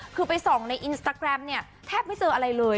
คือไปส่องในอินสตาแกรมเนี่ยแทบไม่เจออะไรเลย